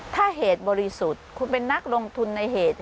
ถ้าเหตุบริสุทธิ์คุณเป็นนักลงทุนในเหตุ